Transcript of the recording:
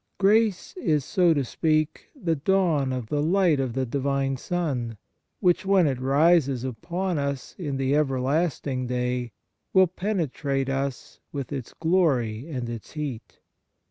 Grace is, so to speak, the dawn of the light of the Divine Sun, which, when it rises upon us in the everlasting day, will pene trate us with its glory and its heat.